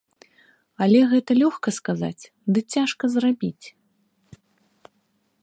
Але гэта лёгка сказаць, ды цяжка зрабіць!